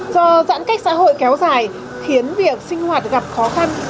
do giãn cách xã hội kéo dài khiến việc sinh hoạt gặp khó khăn